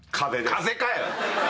風邪かよ。